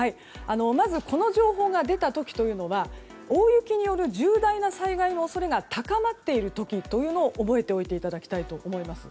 まず、この情報が出た時は大雪による重大な災害の恐れが高まっている時ということを覚えていただきたいと思います。